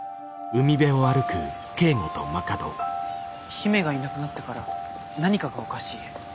姫がいなくなってから何かがおかしい。